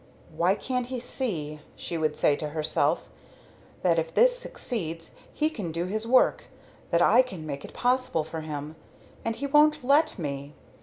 "Why can't he see," she would say to herself, "that if this succeeds, he can do his work; that I can make it possible for him? And he won't let me.